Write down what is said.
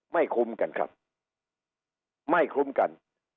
คุ้มกันครับไม่คุ้มกัน